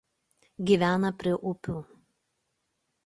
Gyvena prie upių.